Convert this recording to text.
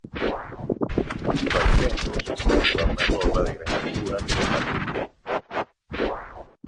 Junto al templo se sitúa una torre de gran altura con la cruz.